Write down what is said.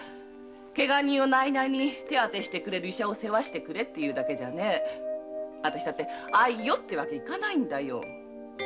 けが人を内々に手当てしてくれる医者を世話してくれってだけじゃ私だって“あいよ”ってわけにはいかないんだよ。